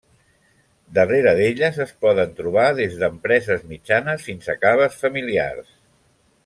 Darrere d'elles es poden trobar des d'empreses mitjanes fins a caves familiars.